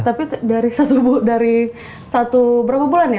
tapi dari satu berapa bulan ya